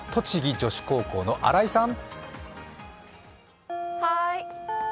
栃木女子高校の新井さん。